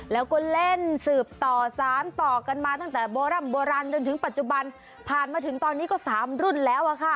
แล้วก็เล่นสืบต่อสารต่อกันมาตั้งแต่โบร่ำโบราณจนถึงปัจจุบันผ่านมาถึงตอนนี้ก็๓รุ่นแล้วอะค่ะ